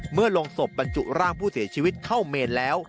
ลงศพบรรจุร่างผู้เสียชีวิตเข้าเมนแล้ว